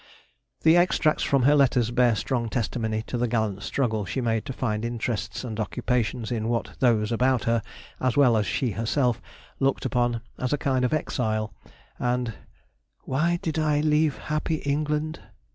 The extracts from her letters bear strong testimony to the gallant struggle she made to find interests and occupations in what those about her, as well as she herself, looked upon as a kind of exile, and "Why did I leave happy England?"